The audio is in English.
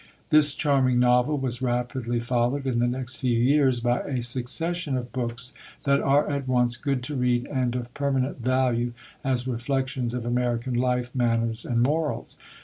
This charming novel was rapidly followed in the next few years by a succession of books that are at once good to read, and of permanent value as reflections of American life, manners, and morals.